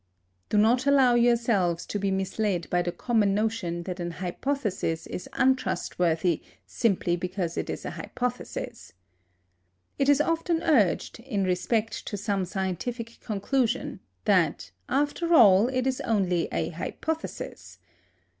Do not allow yourselves to be misled by the common notion that an hypothesis is untrustworthy simply because it is an hypothesis. It is often urged, in respect to some scientific conclusion, that, after all, it is only an hypothesis.